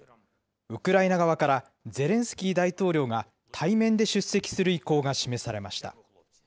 ウクライナ側からゼレンスキー大統領が対面で出席する意向が示されました。